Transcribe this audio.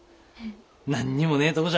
何にもねえとこじゃろ。